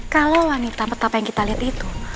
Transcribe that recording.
kalau wanita betapa yang kita lihat itu